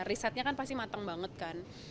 risetnya kan pasti matang banget kan